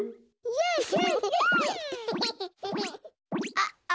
あっあ。